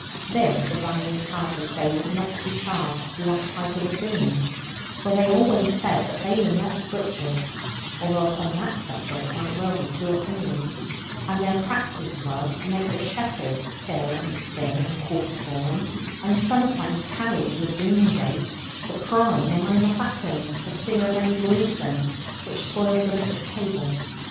This, as I need hardly say, was not to be charged to the appetite of the Doones, for they always said that they were not butchers (although upon that subject might well be two opinions); and their practice was to make the shepherds kill and skin, and quarter for them, and sometimes carry to the Doone gate the prime among the fatlings, for fear of any bruising, which spoils the look at table.